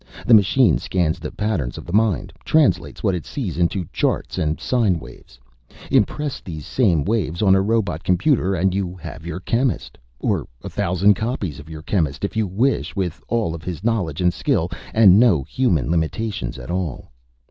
The machine scans the patterns of the mind, translates what it sees into charts and sine waves. Impress these same waves on a robot computer and you have your chemist. Or a thousand copies of your chemist, if you wish, with all of his knowledge and skill, and no human limitations at all.